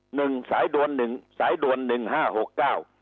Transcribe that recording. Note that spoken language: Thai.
หนึ่งสายด่วนหนึ่งสายด่วนหนึ่งห้าหกเก้า